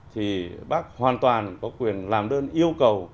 thì bác hoàn toàn có quyền làm đơn yêu cầu